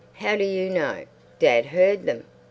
"How do you know?" "Dad heard them.